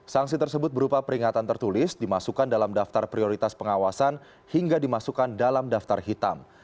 sanksi tersebut berupa peringatan tertulis dimasukkan dalam daftar prioritas pengawasan hingga dimasukkan dalam daftar hitam